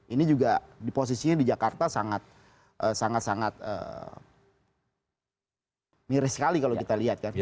ini juga di posisinya di jakarta sangat sangat miris sekali kalau kita lihat kan